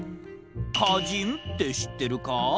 かじんってしってるか？